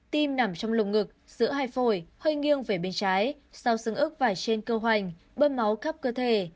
tim nằm trong lông ngực giữa hai phổi hơi nghiêng về bên trái sau xứng ức vài trên cơ hoành bơm máu khắp cơ thể